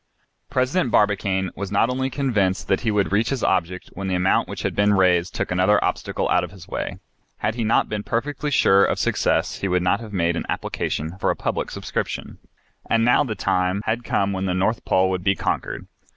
President Barbicane was not only convinced that he would reach his object when the amount which had been raised took another obstacle out of his way. Had he not been perfectly sure of success he would not have made an application for a public subscription. And now the time had come when the North Pole would be conquered.